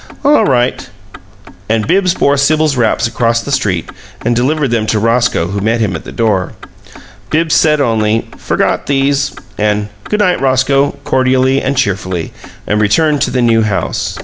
"All right." And Bibbs bore Sibyl's wraps across the street and delivered them to Roscoe, who met him at the door. Bibbs said only, "Forgot these," and, "Good night, Roscoe," cordially and cheerfully, and returned to the New House.